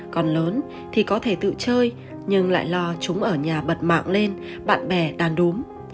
còn lớn thì có thể tự chơi nhưng lại lo chúng ở nhà bật mạng lên bạn bè đàn đốm